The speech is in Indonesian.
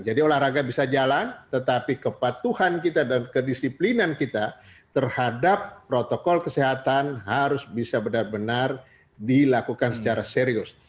jadi olahraga bisa jalan tetapi kepatuhan kita dan kedisiplinan kita terhadap protokol kesehatan harus bisa benar benar dilakukan secara serius